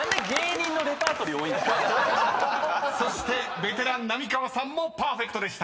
［そしてベテラン浪川さんもパーフェクトでした］